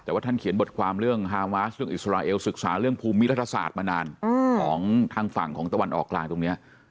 แต่ว่าท่านเขียนบทความเรื่องฮามาสเรื่องอิสราเอลศึกษาเรื่องภูมิรัฐศาสตร์มานานของทางฝั่งของตะวันออกกลางตรงนี้